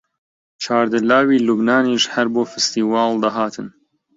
چاردە لاوی لوبنانیش هەر بۆ فستیواڵ دەهاتن